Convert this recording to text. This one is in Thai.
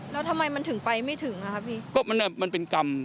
แล้วทำไมมันถึงไปไม่ถึงอ่ะครับพี่ก็มันมันเป็นกรรม